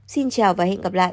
xin chào và hẹn gặp lại